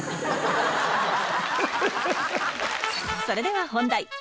それでは本題！